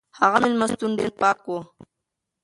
هغه مېلمستون ډېر پاک و.